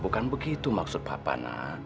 bukan begitu maksud papa nak